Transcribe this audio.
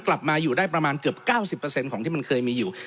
กลับมาอยู่ได้ประมาณเกือบ๙๐ของที่มันเคยมีอยู่